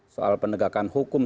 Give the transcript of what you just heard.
soal pendegakan hukum